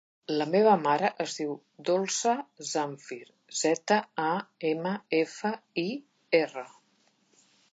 La meva mare es diu Dolça Zamfir: zeta, a, ema, efa, i, erra.